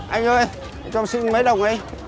anh ơi cho em xin mấy đồng đi